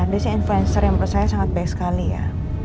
dia sih influencer yang percaya sangat baik sekali ya